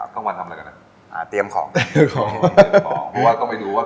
อ๋อคุณขายเท่าตอนเย็น๔ชั่วโมงจริงหรือ